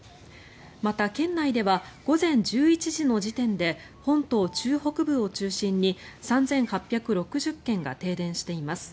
また、県内では午前１１時の時点で本島中北部を中心に３８６０軒が停電しています。